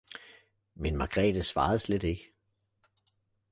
Men Margrethe svarede slet ikke.